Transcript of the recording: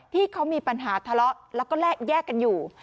ที่เขามีปัญหาทะเลาะแล้วก็แยกกันอยู่